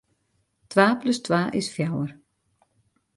Twa plus twa is fjouwer.